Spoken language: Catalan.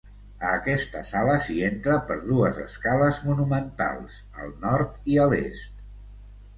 A aquesta sala s'hi entra per dues escales monumentals, al nord i a l'est.